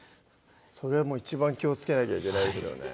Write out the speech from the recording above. それは一番気をつけなきゃいけないですよね